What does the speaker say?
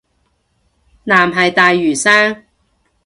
藍係大嶼山